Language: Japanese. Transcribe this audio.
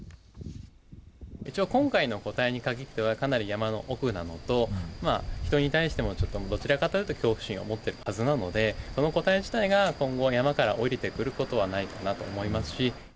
今回の個体に限っては、かなり山の奥なのと、人に対しても、ちょっとどちらかというと恐怖心を持ってるはずなので、その個体自体が今後、山から下りてくることはないかなと思います